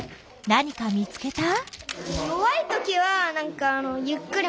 何か見つけた？